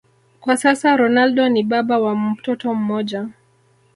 Kwa sasa Ronaldo ni baba wa mtoto mmoja